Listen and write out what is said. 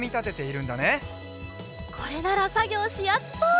これならさぎょうしやすそう！